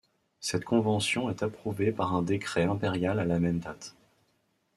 Cette convention est approuvée par un décret impérial à la même date.